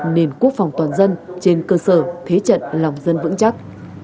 nền quốc phòng toàn dân trên cơ sở thế trận lòng dân vững chắc